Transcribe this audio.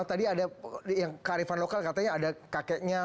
ada yang karifan lokal katanya ada kakeknya